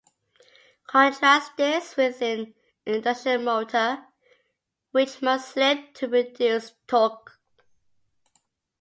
Contrast this with an induction motor, which must slip to produce torque.